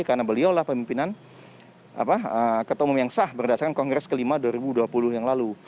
karena beliau lah pemimpinan ketum yang sah berdasarkan kongres kelima dua ribu dua puluh yang lalu